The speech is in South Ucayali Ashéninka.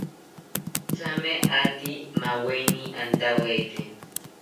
Thame ate maweni antawete